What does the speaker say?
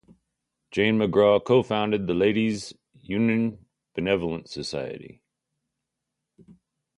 Jane McGraw co-founded the Ladies' Union Benevolent Society.